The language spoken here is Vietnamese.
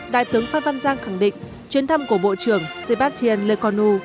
đại tướng phan văn giang khẳng định chuyến thăm của bộ trưởng sébastien lecourneau